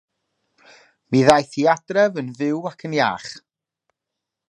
Mi ddaeth hi adref yn fyw ac yn iach.